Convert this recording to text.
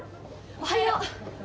おはよう。